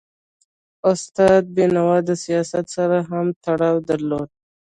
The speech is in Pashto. استاد بینوا د سیاست سره هم تړاو درلود.